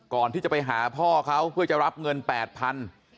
ก่อนที่จะไปหาพ่อเขาเพื่อจะรับเงิน๘๐๐บาท